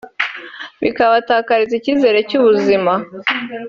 bikabatakariza icyizere cy’ubuzima